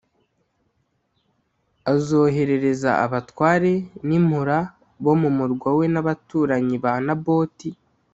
azoherereza abatware n’impura bo mu murwa we n’abaturanyi ba Naboti